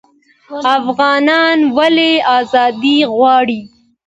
افغانان ولې ازادي غواړي؟